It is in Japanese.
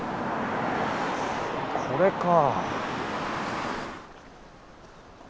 これか。